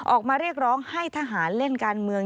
ออกมาเรียกร้องให้ทหารเล่นการเมือง